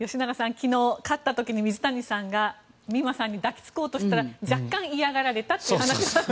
昨日、勝った時に水谷さんが美誠さんに抱き着こうとしたら若干嫌がられたと。